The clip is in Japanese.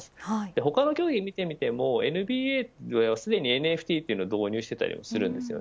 他の競技を見てみてもＮＢＡはすでにＮＦＴを導入していたりします。